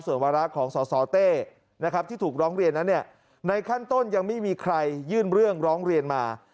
ส่วนวาระของสสเต้นะครับที่ถูกร้องเรียนนั้นในขั้นต้นยังไม่มีใครยื่นเรื่องร้องเรียนมา